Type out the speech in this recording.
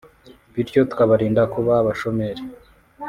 bityo tukabarinda kuba abashomeri”